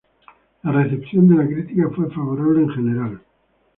La recepción de la crítica fue favorable en general.